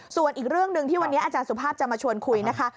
ส่วนอีกเรื่องหนึ่งที่วันนี้อาจารย์สุภาพจะมาชวนคุยนะคะ